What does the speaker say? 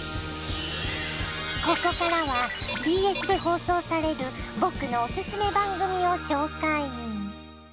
ここからはＢＳで放送される僕のおすすめ番組を紹介。